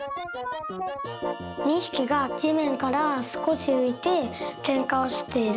２ひきがじめんからすこしういてけんかをしている。